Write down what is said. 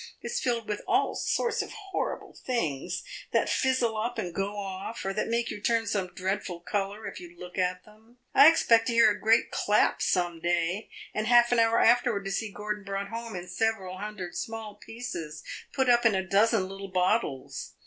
It 's filled with all sorts of horrible things, that fizzle up and go off, or that make you turn some dreadful color if you look at them. I expect to hear a great clap some day, and half an hour afterward to see Gordon brought home in several hundred small pieces, put up in a dozen little bottles.